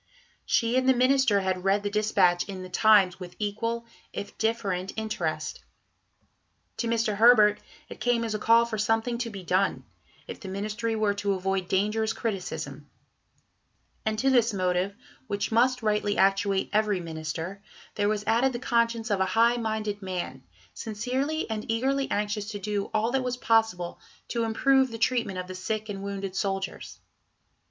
She and the Minister had read the dispatch in the Times with equal, if different, interest. To Mr. Herbert it came as a call for something to be done, if the Ministry were to avoid dangerous criticism; and to this motive, which must rightly actuate every Minister, there was added the conscience of a high minded man, sincerely and eagerly anxious to do all that was possible to improve the treatment of the sick and wounded soldiers.